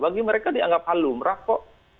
bagi mereka dianggap hal lumrah kok